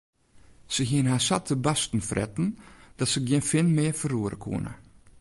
Se hiene har sa te barsten fretten dat se gjin fin mear ferroere koene.